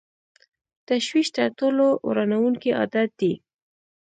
تشویش تر ټولو ورانوونکی عادت دی.